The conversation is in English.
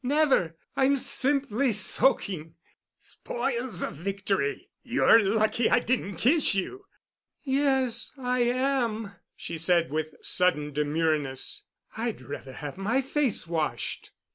"Never—I'm simply soaking." "Spoils of victory! You're lucky I didn't kiss you." "Yes, I am," she said with sudden demureness. "I'd rather have my face washed."